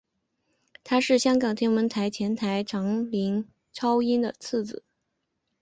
他是香港天文台前台长林超英的次子。